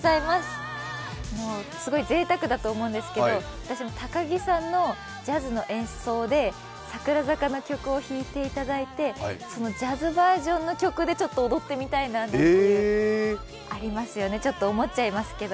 すごいぜいたくだと思うんですけど私も、高木さんのジャズの演奏で櫻坂の曲を弾いていただいて、そのジャズバージョンの曲でちょっと踊ってみたいななんてありますよね、ちょっと思っちゃいますけど。